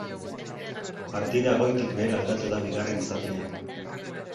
Partida goitik behera aldatu ba bigarren zatian.